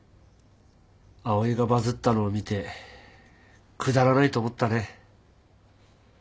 ＡＯＩがバズったのを見てくだらないと思ったね。